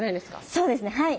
そうですねはい。